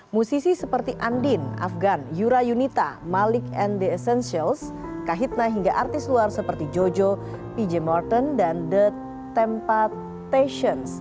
musisi seperti andin afgan yura yunita malik and the essentials kahitna hingga artis luar seperti jojo pj martin dan the tempattations